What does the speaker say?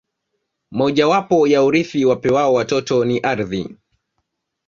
Mojawapo ya urithi wapewao watoto ni ardhi